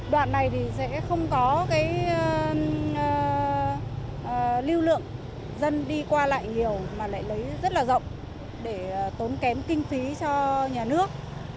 đoạn này thì sẽ không có cái lưu lượng dân đi qua lại nhiều mà lại lấy rất là rộng để tốn kém kinh phí cho nhà nước